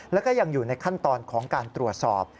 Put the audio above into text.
แล้วก็ยังอยู่ในขั้นตอนของการตรวจสอบ